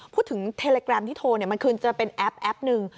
พูดถึงเทเลแกรมที่โทรมันคือจะเป็นแอปหนึ่ง